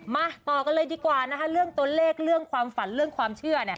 มาต่อกันเลยดีกว่านะคะเรื่องตัวเลขเรื่องความฝันเรื่องความเชื่อ